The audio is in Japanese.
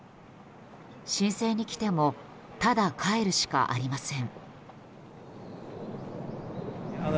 申請に来てもただ帰るしかありません。